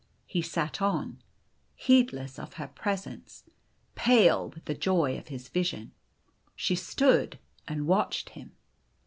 He sat on, heedless of her presence, pale with the joy of his vision. She stood and watched him.